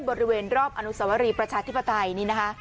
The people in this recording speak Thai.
บริเวณรอบอนุสวรีประชาธิปไตยนี่นะคะ